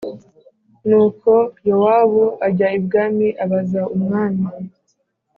Nuko Yowabu ajya i bwami abaza umwami